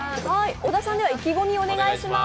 小田さん、意気込みをお願いします。